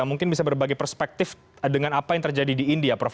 mungkin bisa berbagi perspektif dengan apa yang terjadi di india prof